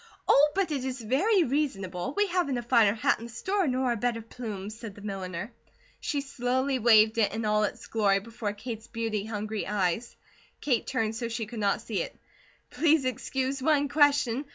"Oh, but it is very reasonable! We haven't a finer hat in the store, nor a better plume," said the milliner. She slowly waved it in all its glory before Kate's beauty hungry eyes. Kate turned so she could not see it. "Please excuse one question.